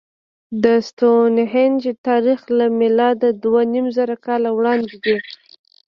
د ستونهنج تاریخ له میلاده دوهنیمزره کاله وړاندې دی.